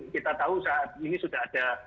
kita tahu saat ini sudah ada